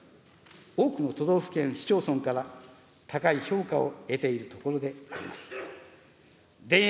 多くの都道府県、市町村から高い評価を得ているところであります。